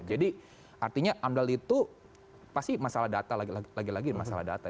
jadi artinya amdal itu pasti masalah data lagi lagi masalah data